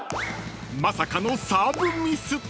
［まさかのサーブミス！］